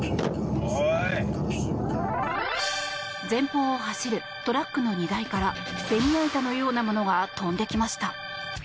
前方を走るトラックの荷台からベニヤ板のようなものが飛んできました。